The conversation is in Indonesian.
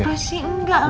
tapi aku sih enggak lah